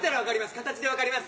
形で分かります。